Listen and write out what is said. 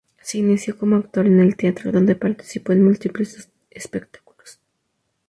Se inició como actor en el teatro, donde participó en múltiples espectáculos.